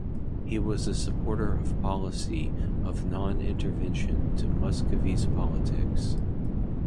He was a supporter of policy of non-intervention to Muscovy's politics.